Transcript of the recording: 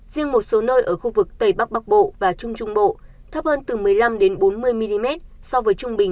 riêng một số nơi ở khu vực tây bắc bắc bộ và trung trung bộ thấp hơn từ một mươi năm bốn mươi mm so với trung bình